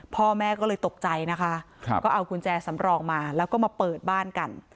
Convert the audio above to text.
พ่อแม่ก็เลยตกใจนะคะก็เอากุญแจสำรองมาแล้วก็มาเปิดบ้านกัน